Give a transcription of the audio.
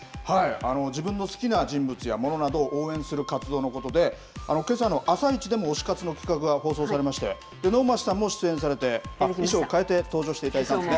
自分の好きな人物やものなどを応援する活動のことで、けさのあさイチでも推し活の企画が放送されまして、能町さんも出演されて、衣装変えて登場していただきまして。